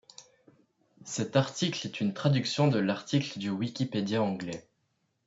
Cet article est une traduction de l'article du Wikipédia anglais.